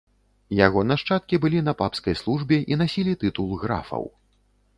Яго нашчадкі былі на папскай службе і насілі тытул графаў.